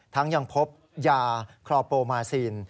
ทั้งยังพบยาครอปโปรมาซีน